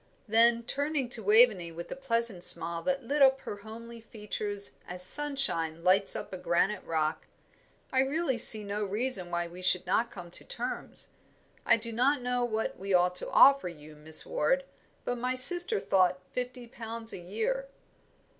Then turning to Waveney with a pleasant smile that lit up her homely features as sunshine lights up a granite rock, "I really see no reason why we should not come to terms. I do not know what we ought to offer you, Miss Ward, but my sister thought fifty pounds a year."